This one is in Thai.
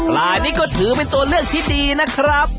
ลายนี้ก็ถือเป็นตัวเลือกที่ดีนะครับ